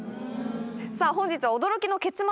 さぁ本日は驚きの結末